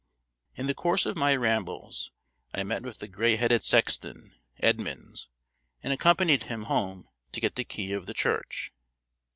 In the course of my rambles I met with the gray headed sexton, Edmonds, and accompanied him home to get the key of the church.